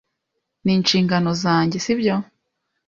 Ni inshingano zanjye, si byo?